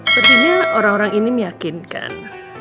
sebenarnya orang orang ini meyakinkan